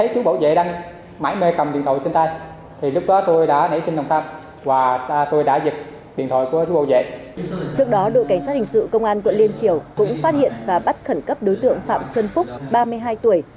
trước đó đội cảnh sát hình sự công an quận liên triều cũng phát hiện và bắt khẩn cấp đối tượng phạm xuân phúc ba mươi hai tuổi